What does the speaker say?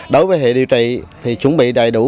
đối với hệ điều trị thì chuẩn bị đầy đủ